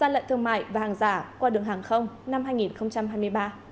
ra lệnh thương mại và hàng giả qua đường hàng không năm hai nghìn hai mươi ba